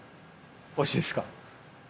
おいしいですか？